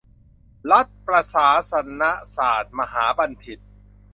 รัฐประศาสนศาตรมหาบัณฑิต